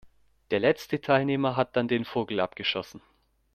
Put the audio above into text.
Der letzte Teilnehmer hat dann den Vogel abgeschossen.